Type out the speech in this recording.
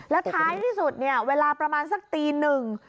แล้วท้ายที่สุดเนี่ยเวลาประมาณสักตีหนึ่ง